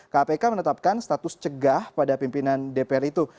kpk menetapkan status cegah pada pimpinan dpr itu